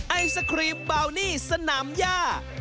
ไอศครีมเบานี่สนามย่า